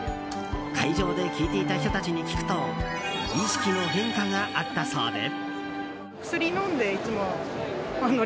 会場で聞いていた人たちに聞くと意識の変化があったそうで。